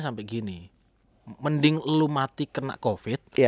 mending lu mati kena covid